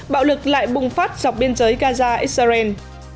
bạo lực lại bùng phát dọc biên giới gaza israel